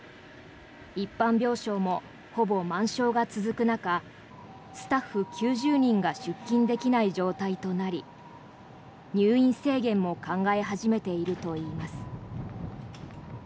一般病床もほぼ満床が続く中スタッフ９０人が出勤できない状態となり入院制限も考え始めているといいます。